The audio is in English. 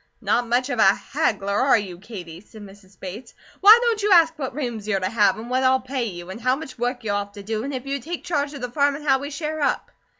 "Not much of a haggler, are you, Katie?" said Mrs. Bates. "Why don't you ask what rooms you're to have, and what I'll pay you, and how much work you'll have to do, and if you take charge of the farm, and how we share up?"